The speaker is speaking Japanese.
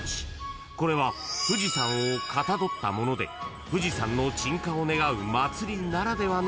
［これは富士山をかたどったもので富士山の鎮火を願う祭りならではのみこしなんです］